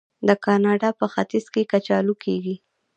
د کاناډا په ختیځ کې کچالو کیږي.